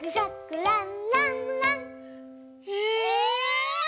え！